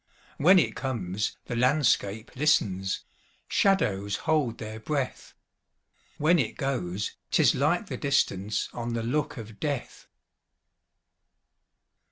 When it comes, the landscape listens, Shadows hold their breath; When it goes, 't is like the distanceOn the look of death.